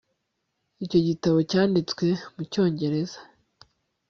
Icyo gitabo cyanditswe mu Cyongereza